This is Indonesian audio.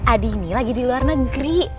adini lagi di luar negeri